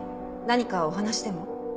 何かお話でも？